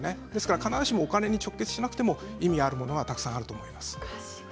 必ずしもお金に直結しなくても意味あるものはたくさんあると思います。